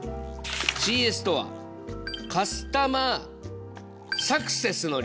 ＣＳとはカスタマーサクセスの略。